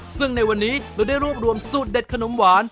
ซึ่งในวันนี้เราได้รวบรวมสูตรเด็ดขนมหวาน